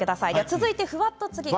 続いて、フワっとつぎ。